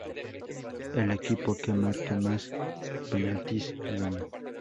El equipo que marque más penalties gana.